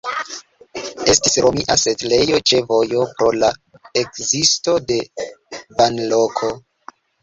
Estis romia setlejo ĉe vojo pro la ekzisto de banloko.